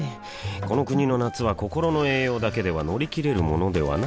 この国の夏は心の栄養だけでは乗り切れるものではない